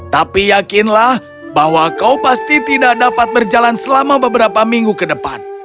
tapi yakinlah bahwa kau pasti tidak dapat berjalan selama beberapa minggu ke depan